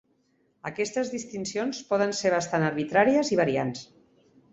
Aquestes distincions poden ser bastant arbitràries i variants.